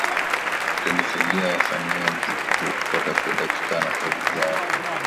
Itanisaidia wasanii wa muziki huo kupata faida kutokana na kazi zao